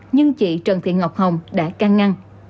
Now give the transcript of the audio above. nhưng chị trần thị ngọc hồng đã căng ngăn